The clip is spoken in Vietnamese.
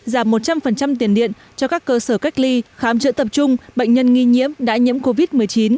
giảm một trăm linh tiền điện cho các cơ sở cách ly khám chữa tập trung bệnh nhân nghi nhiễm đã nhiễm covid một mươi chín